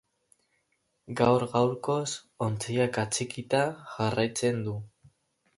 Gaur gaurkoz, ontziak atxikita jarraitzen du.